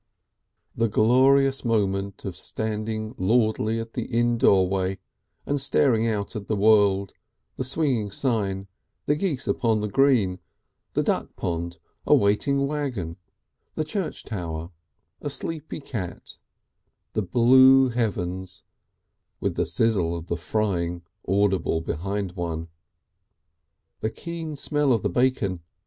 The glorious moment of standing lordly in the inn doorway, and staring out at the world, the swinging sign, the geese upon the green, the duck pond, a waiting waggon, the church tower, a sleepy cat, the blue heavens, with the sizzle of the frying audible behind one! The keen smell of the bacon!